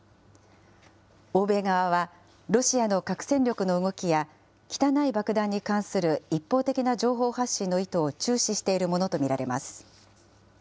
欧米側は、ロシアの核戦力の動きや、汚い爆弾に関する一方的な情報発信の意図を注視しているものと見られます。